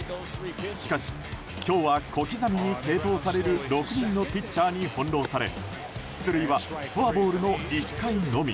しかし今日は小刻みに継投される６人のピッチャーに翻弄され出塁はフォアボールの１回のみ。